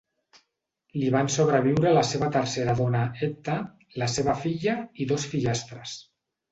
Li van sobreviure la seva tercera dona, Etta, la seva filla i dos fillastres.